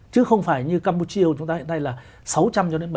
chứ không phải như campuchia chúng ta hiện nay là sáu trăm linh cho đến bảy trăm linh